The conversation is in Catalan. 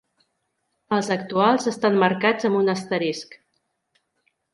Els actuals estan marcats amb un asterisc.